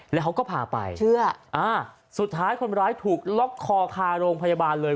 แล้วเขาก็พาไปเชื่ออ่าสุดท้ายคนร้ายถูกล็อกคอคาโรงพยาบาลเลย